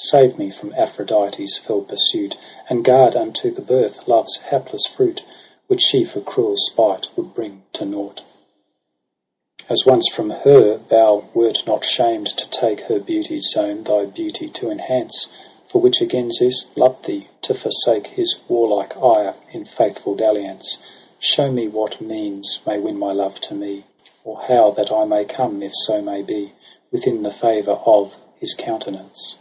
Save me from Aphrodite's fell pursuit. And guard unto the birth Love's hapless fruit. Which she for cruel spite would bring to nought. OCTOBER itfy zi ' As once from her thou wert not shamed to take Her beauty's zone, thy beauty to enhance ; For which again Zeus loved thee, to forsake His warlike ire in faithful dalliance j Show me what means may win my Love to me. Or how that I may come, if so may be. Within the favour of his countenance.